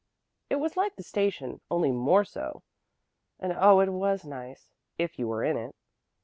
It was like the station, only more so, and oh, it was nice if you were in it.